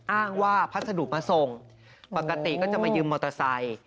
อ้างว่าพัสดุมาส่งปกติก็จะมายืมมอเตอร์ไซค์